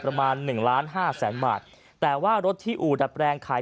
ประมาณหนึ่งล้านห้าแสนบาทแต่ว่ารถที่อู่ดัดแปลงขาย